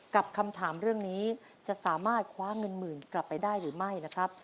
คำถามเรื่องนี้จะสามารถคว้าเงินหมื่นกลับไปได้หรือไม่นะครับ